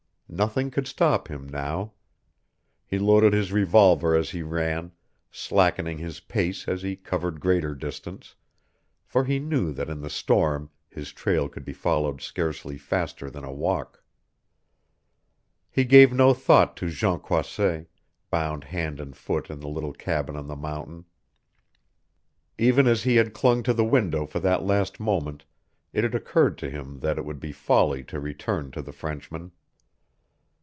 Nothing could stop him now. He loaded his revolver as he ran, slackening his pace as he covered greater distance, for he knew that in the storm his trail could be followed scarcely faster than a walk. He gave no thought to Jean Croisset, bound hand and foot in the little cabin on the mountain. Even as he had clung to the window for that last moment it had occurred to him that it would be folly to return to the Frenchman.